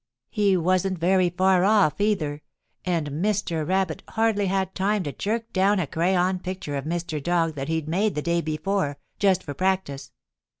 He wasn't very far off, either, and Mr. Rabbit hardly had time to jerk down a crayon picture of Mr. Dog that he'd made the day before, just for practice.